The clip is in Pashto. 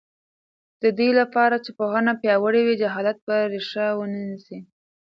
د دې لپاره چې پوهنه پیاوړې وي، جهالت به ریښه ونه نیسي.